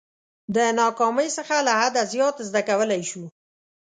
د ناکامۍ څخه له حده زیات زده کولای شو.